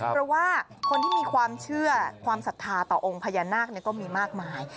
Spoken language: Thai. เพราะว่าคนที่มีความเชื่อความศรัทธาต่อองค์พญานาคก็มีมากมาย